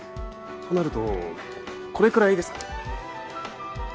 となるとこれくらいですか？